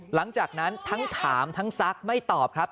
หลังจากนั้นทั้งถามทั้งซักไม่ตอบครับ